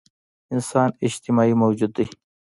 انسان اجتماعي موجود دی.